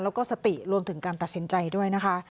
แล้วก็สติรวมถึงการตัดสินใจด้วยนะคะ